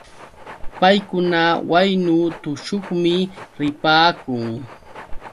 Paykuna waynu tushuqmi ripaakun.